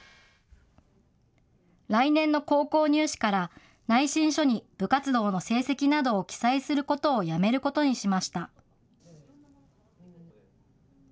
来年の高校入試から、内申書に部活動の成績などを記載することをやめることにしました。